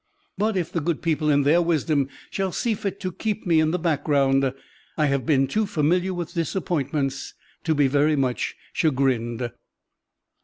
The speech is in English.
But if the good people in their wisdom shall see fit to keep me in the background, I have been too familiar with disappointments to be very much chagrined."